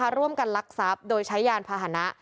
การร่วมกันรักษัพโดยใช้ยานภาหนะ